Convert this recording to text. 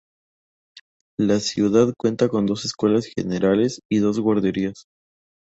La ciudad cuenta con dos escuelas generales y dos guarderías.